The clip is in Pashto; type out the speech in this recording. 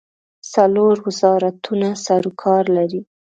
څلور وزارتونه سروکار لري.